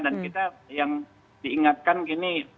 dan kita yang diingatkan gini